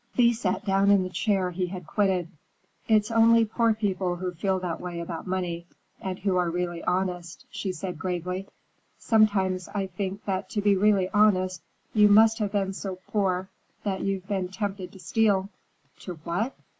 Thea sat down in the chair he had quitted. "It's only poor people who feel that way about money, and who are really honest," she said gravely. "Sometimes I think that to be really honest, you must have been so poor that you've been tempted to steal." "To what?"